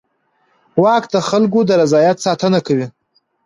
واک د خلکو د رضایت ساتنه کوي.